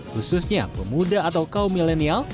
khususnya pemuda atau kaum milenial